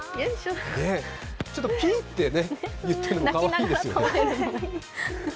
ちょっとピーッて言っているの、かわいいですね。